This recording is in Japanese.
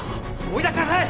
追い出しなさい！